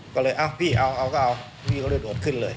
ก็เลยเอาพี่เอาก็เอาพี่เขาเลยโดดขึ้นเลย